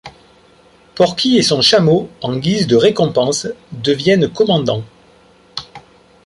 Porky et son chameau, en guise de récompense, deviennent commandants.